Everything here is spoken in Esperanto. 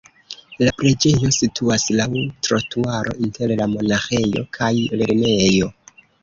La preĝejo situas laŭ la trotuaro inter la monaĥejo kaj lernejo.